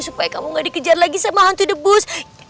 supaya kamu nggak dikejar lagi sama hantu debus